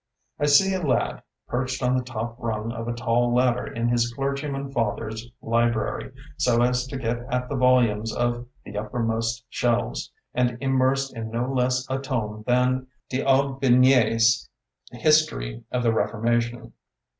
I see a lad perched on the top rung of a tall ladder in his clergyman fa ther's library, so as to get at the vol umes of the uppermost shelves, and inmiersed in no less a tome than d'Aubignd's "History of the Reforma tion".